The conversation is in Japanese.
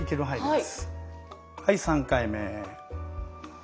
はい３回目。